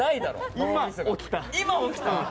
今、起きた。